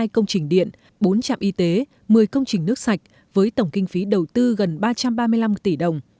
một mươi công trình điện bốn trạm y tế một mươi công trình nước sạch với tổng kinh phí đầu tư gần ba trăm ba mươi năm tỷ đồng